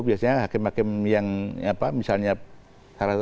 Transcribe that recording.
biasanya hakim hakim yang misalnya